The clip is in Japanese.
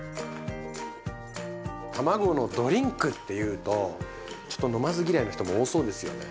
たまごのドリンクっていうとちょっと飲まず嫌いの人も多そうですよね。